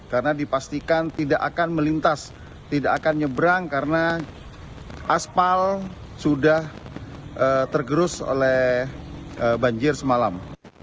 karena dipastikan tidak akan melintas tidak akan nyebrang karena aspal sudah tergerus oleh banjir semalam